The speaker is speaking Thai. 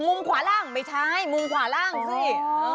มุมขวาล่างไม่ใช่มุมขวาล่างสิ